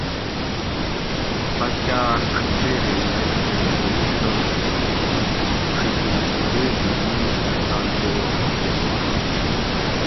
بکاۤڄ چیری مئ چھیل دویٔش تہ تھُکو ڄیھیر ویلی مِیڄ تانی ییو بوب کہۤ دیاںش